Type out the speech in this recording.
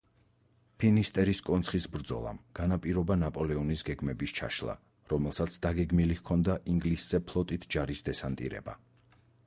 ფინისტერის კონცხის ბრძოლამ განაპირობა ნაპოლეონის გეგმების ჩაშლა, რომელსაც დაგეგმილი ჰქონდა ინგლისზე ფლოტით ჯარის დესანტირება.